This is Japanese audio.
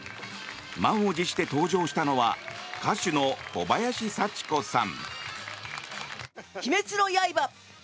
満を持して登場したのは歌手の小林幸子さん。